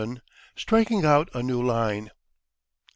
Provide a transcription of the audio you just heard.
STRIKING OUT A NEW LINE.